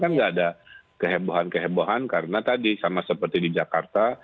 kan nggak ada kehebohan kehebohan karena tadi sama seperti di jakarta